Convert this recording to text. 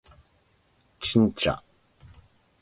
ちんちゃ？